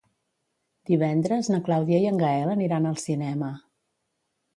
Divendres na Clàudia i en Gaël aniran al cinema.